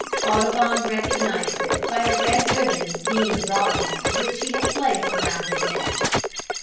Audubon recognised it by a red ribbon being brought him which he had placed round its neck.